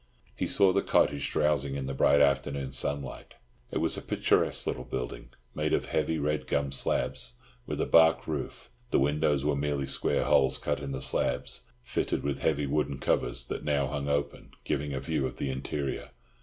He saw the cottage drowsing in the bright afternoon sunlight. It was a picturesque little building, made of heavy red gum slabs, with a bark roof; the windows were merely square holes cut in the slabs, fitted with heavy wooden covers that now hung open, giving a view of the interior.